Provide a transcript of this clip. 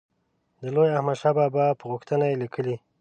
د لوی احمدشاه بابا په غوښتنه یې لیکلی.